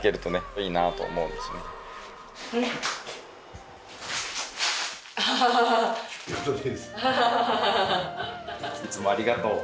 いつもありがとう。